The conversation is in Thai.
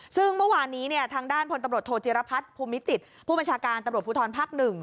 ซึ่งเมื่อวานนี้ทางด้านพลตำรวจโทจิรพัฒน์ภูมิจิตผู้บัญชาการตำรวจภูทรภักดิ์๑